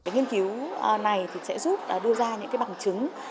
nghiên cứu này sẽ giúp đưa ra những bằng chứng